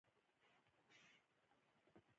سپور ملګري ته وویل راځه لاړ شو.